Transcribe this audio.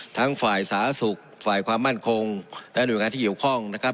ทั้งฝ่ายสาธารณสุขฝ่ายความมั่นคงและหน่วยงานที่เกี่ยวข้องนะครับ